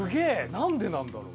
なんでなんだろう？